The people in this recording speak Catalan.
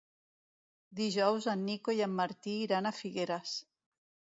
Dijous en Nico i en Martí iran a Figueres.